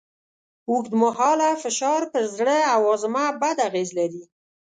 اوږدمهاله فشار پر زړه او هاضمه بد اغېز لري.